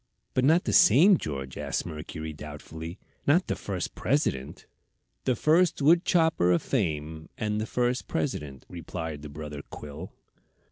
"But not the same George?" asked Mercury, doubtfully. "Not the first President?" "The first wood chopper of fame, and the first President," replied the brother quill.